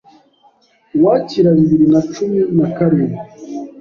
Ukwakira bibiri nacumi nakarindwi